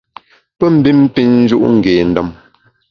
Pe mbin pin nju’ ngé ndem.